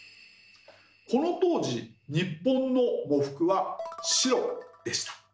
この当時日本の喪服は白でした。